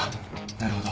なるほど。